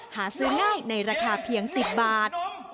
หาซื้อง่ายในราคาเพียง๑๐บาท